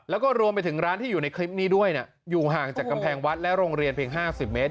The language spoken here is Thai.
แล้วก็รวมไปถึงร้านที่อยู่ในคลิปนี้ด้วยอยู่ห่างจากกำแพงวัดและโรงเรียนเพียง๕๐เมตร